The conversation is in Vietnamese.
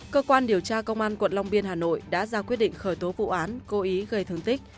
cơ quan điều tra công an quận long biên hà nội đã ra quyết định khởi tố vụ án cố ý gây thương tích